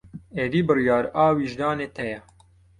Êdî biryar a wijdanê te ye.